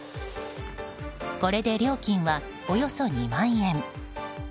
これで料金は、およそ２万円。